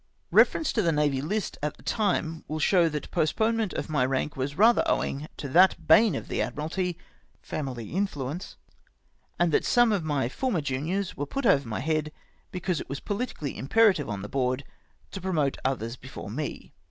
Eeference to the Navy List at the time will show that the postponement of my rank was rather owing to the bane of the Admiralty — family influence, and that some of my former juniors were put over my head because it was pohtically im perative on the Board to promote others before me.